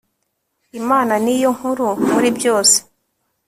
imana niyo nkuru muri byose